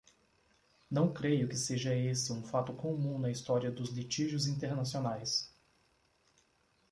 Não creio que seja esse um fato comum na história dos litígios internacionais.